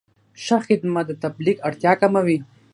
ښه خدمت د تبلیغ اړتیا کموي.